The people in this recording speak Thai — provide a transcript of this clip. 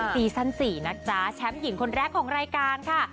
ซีซั่น๔นะจ๊ะแชมป์หญิงคนแรกของรายการค่ะ